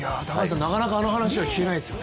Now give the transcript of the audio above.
なかなかあの話は聞けないですよね。